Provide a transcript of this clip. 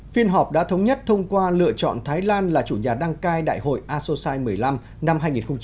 phiên họp đã thống nhất thông qua lựa chọn thái lan là chủ nhà đăng cai đại hội asosai một mươi năm năm hai nghìn hai mươi